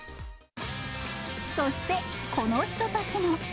そしてこの人たちも。